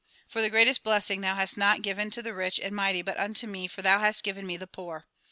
For the greatest blessing thou hast not given to the rich and mighty but unto me for thou hast given me the poor.